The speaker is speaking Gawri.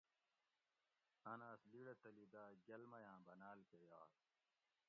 ان آس لیڑہ تلی دا گۤل میاں بناۤل کہ یائ